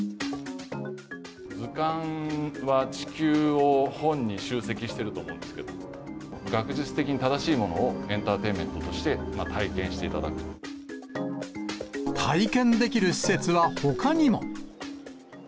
図鑑は地球を本に集積してると思うんですけど、学術的に正しいものを、エンターテインメント体験できる施設はほかにも。